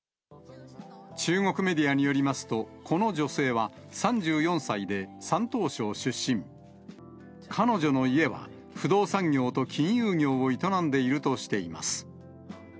中国メディアによりますと、この女性は３４歳で山東省出身、彼女の家は不動産業と金融業を営んでいるとしています。